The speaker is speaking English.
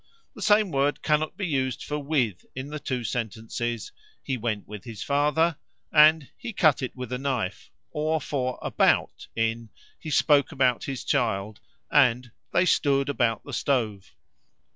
The same word cannot be used for "with" in the two sentences "He went with his father" and "He cut it with a knife," or for "about" in "He spoke about his child" and "They stood about the stove."